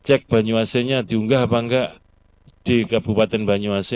cek banyuasinya diunggah apa enggak di kabupaten banyuasi